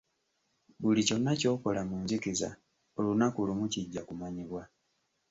Buli kyonna ky'okola mu nzikiza olunaku lumu kijja kumanyibwa.